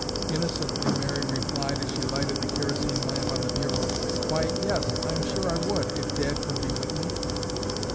Innocently, Mary replied as she lighted the kerosene lamp on the bureau, "Why, yes, I'm sure I would, if Dad could be with me."